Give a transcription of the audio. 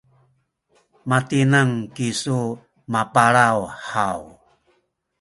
matineng kisu mapalaw haw?